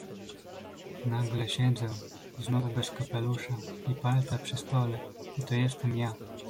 "Nagle siedzę znowu bez kapelusza i palta przy stole i to jestem ja."